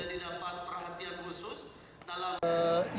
yang terdapat perhatian khusus dalam